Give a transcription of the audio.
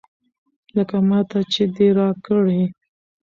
لکه ماته چې دې راکړي.